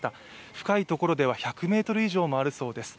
深い所では１００ｍ以上もあるそうです。